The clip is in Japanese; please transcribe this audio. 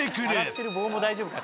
洗ってる棒も大丈夫か？